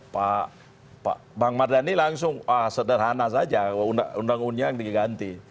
pak bang mardhani langsung sederhana saja undang undangnya yang diganti